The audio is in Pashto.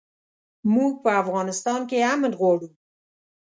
موږ په افغانستان کښې امن غواړو